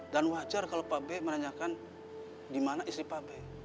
dan wajar kalau pak b menanyakan di mana istri pak b